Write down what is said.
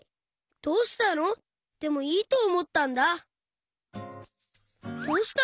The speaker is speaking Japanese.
「どうしたの？」でもいいとおもったんだ。